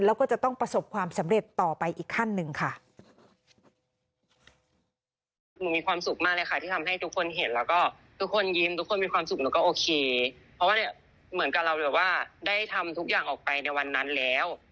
แล้วก็จะต้องประสบความสำเร็จต่อไปอีกขั้นหนึ่งค่ะ